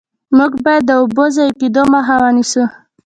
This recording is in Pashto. موږ باید د اوبو ضایع کیدو مخه ونیسو.